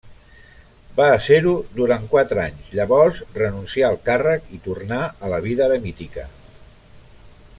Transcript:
Va ésser-ho durant quatre anys; llavors renuncià al càrrec i tornà a la vida eremítica.